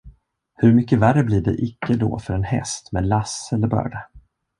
Hur mycket värre blir det icke då för en häst med lass eller börda.